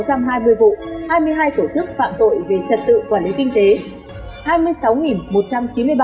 phát hiện hơn bốn sáu trăm hai mươi vụ hai mươi hai tổ chức phạm tội về trật tự quản lý kinh tế